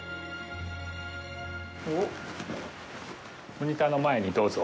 モニターの前にどうぞ。